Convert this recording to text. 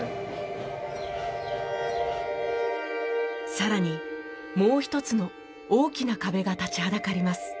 さらにもう一つの大きな壁が立ちはだかります。